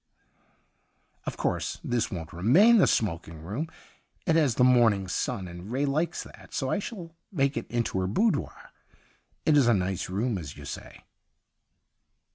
' Of course this won't remain the smoking room. It has the morning sun, and Ray likes that, so I shall make it into her boudoir. It is a nice room, as you say.'